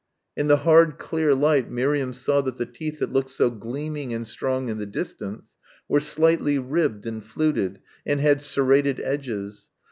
In the hard clear light Miriam saw that the teeth that looked so gleaming and strong in the distance were slightly ribbed and fluted and had serrated edges.